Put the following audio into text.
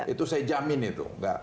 itu saya jamin itu